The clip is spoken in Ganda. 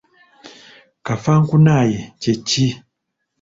Kafankunaaye kye ki?